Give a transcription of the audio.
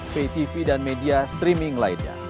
paytv dan media streaming lainnya